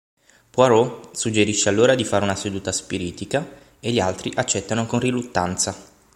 Poirot suggerisce allora di fare una seduta spiritica, e gli altri accettano con riluttanza.